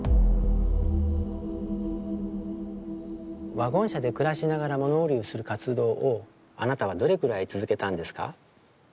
ワゴン車で暮らしながら物売りをする活動をあなたはどれくらい続けたんですか？